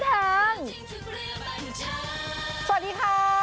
สวัสดีครับ